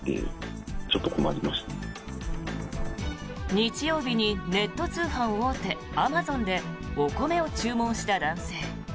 日曜日にネット通販大手アマゾンでお米を注文した男性。